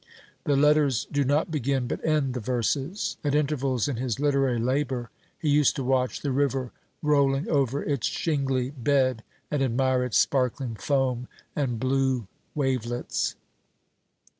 The letters do not begin but end the verses. At intervals in his literary labour he used to watch the river rolling over its shingly bed, and admire its sparkling foam and blue wavelets.